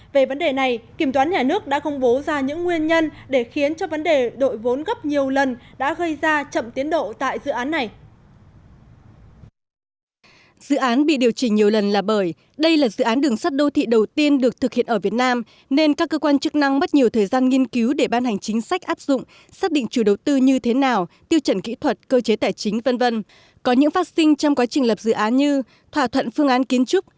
về vấn đề này kiểm toán nhà nước đã công bố ra những nguyên nhân để khiến cho vấn đề đội vốn gấp nhiều lần đã gây ra chậm tiến độ tại dự án này